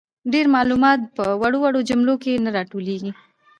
ډیر معلومات په وړو وړو جملو کي نه راټولیږي.